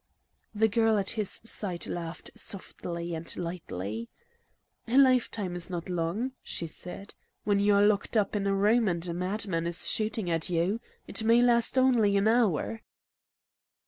The girl at his side laughed softly and lightly. "A lifetime is not long," she said, "when you are locked in a room and a madman is shooting at you. It may last only an hour."